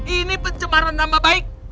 ini pencemaran nama baik